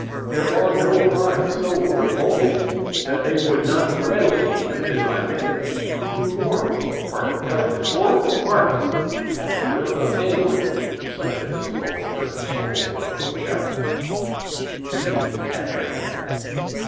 There are no crimes so revolting that they would not readily be committed by men who form part of a government or army, at the will of anyone (such as Boulanger, Napoleon, or Pougachef) who may chance to be at their head.